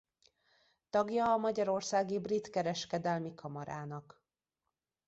Tagja a magyarországi Brit Kereskedelmi Kamarának.